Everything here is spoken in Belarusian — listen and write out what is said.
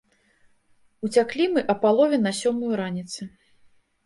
Уцяклі мы а палове на сёмую раніцы.